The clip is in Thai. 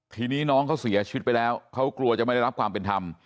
ทีนี้น้องเขาเสียชีวิตไปแล้วเขากลัวจะไม่ได้รับความเป็นธรรม